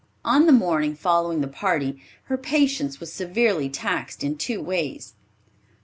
On the morning following the party, her patience was severely taxed in two ways.